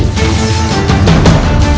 serang sudah mudah